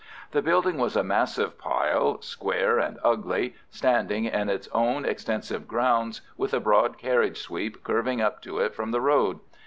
The building was a massive pile, square and ugly, standing in its own extensive grounds, with a broad carriage sweep curving up to it from the road.